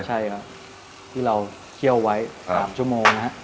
ใช่ครับที่เราเคี่ยวไว้๓ชั่วโมงนะครับ